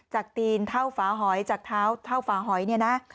ตีนเท่าฝาหอยจากเท้าเท่าฝาหอยเนี่ยนะ